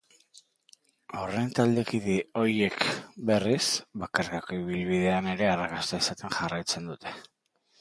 Horren taldekide ohiek, berriz, bakarkako ibilbidean ere arrakasta izaten jarraitzen dute.